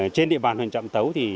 trên địa bàn huyền trạm tấu